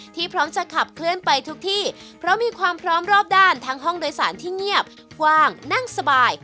พร้อมจะขับเคลื่อนไปทุกที่เพราะมีความพร้อมรอบด้านทั้งห้องโดยสารที่เงียบกว้างนั่งสบาย